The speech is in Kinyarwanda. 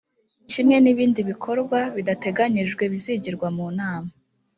kimwe nibindi bikorwa bidateganyijwe bizigirwa mu nama